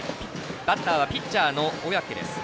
バッターはピッチャーの小宅。